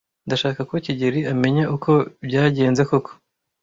Ndashaka ko kigeli amenya uko byagenze koko.